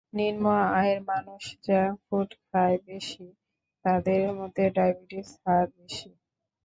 নিম্ন আয়ের মানুষ জাঙ্কফুড খায় বেশি, তাদের মধ্যে ডায়াবেটিসের হার বেশি।